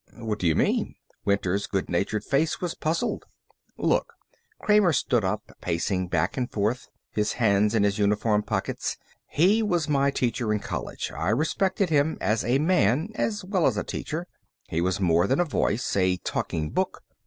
"What do you mean?" Winter's good natured face was puzzled. "Look." Kramer stood up, pacing back and forth, his hands in his uniform pockets. "He was my teacher in college. I respected him as a man, as well as a teacher. He was more than a voice, a talking book.